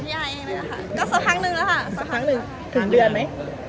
พี่ยังไม่เจอพี่อาร์ไงอยากได้เจอ